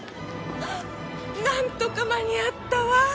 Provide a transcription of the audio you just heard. なんとか間に合ったわ。